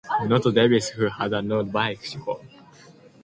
Not Davis, who had no bicycle.